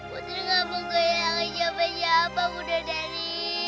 putri gak mau kehilangan siapa siapa bunda dari